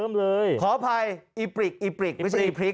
ยอมเลยขออภัยอิบปริกไม่ใช่อิพริก